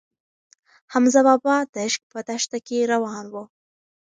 حمزه بابا د عشق په دښته کې روان و.